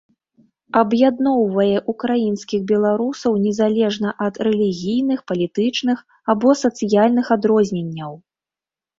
Аб'ядноўвае ўкраінскіх беларусаў незалежна ад рэлігійных, палітычных або сацыяльных адрозненняў.